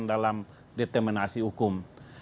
dalam determinasi hukum